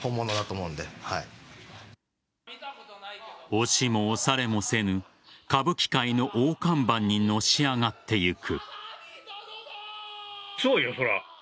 押しも押されもせぬ歌舞伎界の大看板にのし上がってゆく。